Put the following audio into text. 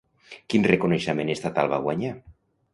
Quin reconeixement estatal va guanyar?